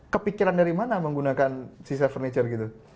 kepikiran dari mana menggunakan sisa furniture gitu